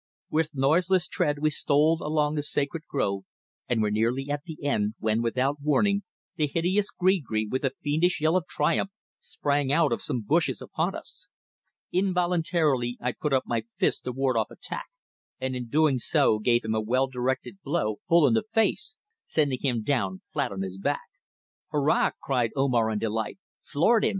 With noiseless tread we stole along the sacred grove and were nearly at the end when, without warning, the hideous gree gree, with a fiendish yell of triumph, sprang out of some bushes upon us. Involuntarily, I put up my fist to ward off attack, and in doing so gave him a well directed blow full in the face, sending him down flat on his back. "Hurrah!" cried Omar in delight. "Floored him!